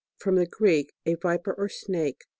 From the Greek. A viper or snake.